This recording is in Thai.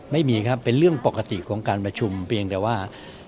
ไม่มีครับเป็นเรื่องปกติของการประชุมเพียงแต่ว่า